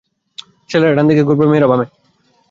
ছেলেরা, ডানদিকে ঘুরবে, মেয়েরা বামে।